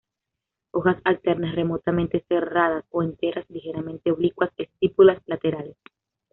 Hojas alternas, remotamente serradas o enteras, ligeramente oblicuas; estípulas laterales.